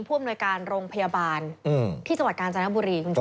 ผู้อำนวยการโรงพยาบาลอืมที่จังหวัดการณ์จังหาบุรี